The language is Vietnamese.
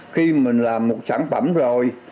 khi mình làm một sản phẩm rồi